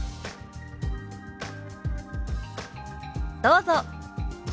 どうぞ。